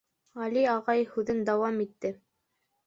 Ғәли ағай һүҙен дауам итте.